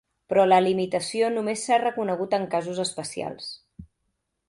Però la limitació només s'ha reconegut en casos especials.